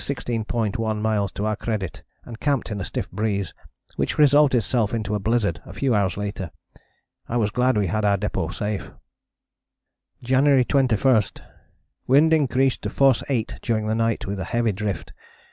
1 miles to our credit and camped in a stiff breeze, which resolved itself into a blizzard a few hours later. I was glad we had our depôt safe." "January 21. Wind increased to force 8 during night with heavy drift.